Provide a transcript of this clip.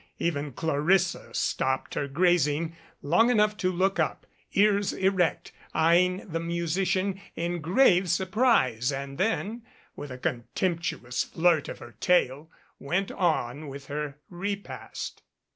Even Clar issa stopped her grazing long enough to look up, ears erect, eying the musician in grave surprise, and then, with a contemptuous flirt of her tail, went on with her repast.